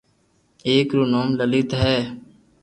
ايڪ رو نوم لليت ھي